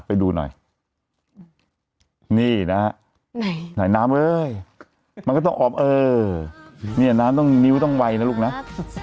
ไปดูหน่อยนี่นะฮะไหนไหนน้ำเอ้ยมันก็ต้องออมเออเนี่ยน้ำต้องนิ้วต้องไวนะลูกนะ